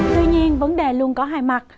tuy nhiên vấn đề luôn có hai mặt